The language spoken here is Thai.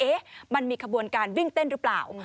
มันมีขบวนการวิ่งเต้นหรือเปล่า